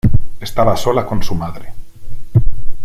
Estaba sola con su madre.